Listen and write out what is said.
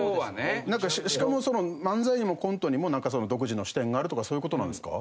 しかもその漫才にもコントにも独自の視点があるとかそういう事なんですか？